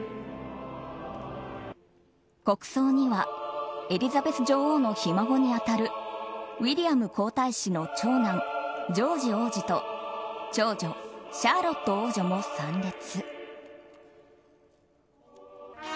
国葬にはエリザベス女王のひ孫に当たるウィリアム皇太子の長男ジョージ王子と長女・シャーロット王女も参列。